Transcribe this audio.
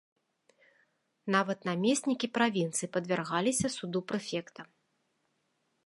Нават намеснікі правінцый падвяргаліся суду прэфекта.